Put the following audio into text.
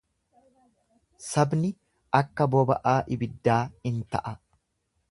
Sabni akka boba'aa ibiddaa in ta'a.